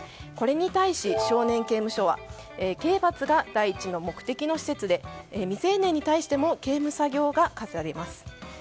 これに対し少年刑務所は刑罰が第一の目的の施設で未成年に対しても刑務作業が課されます。